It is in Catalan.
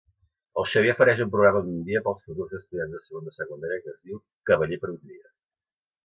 El Xavier ofereix un programa d'un dia per als futurs estudiants de segon de secundària que es diu "Cavaller per un dia".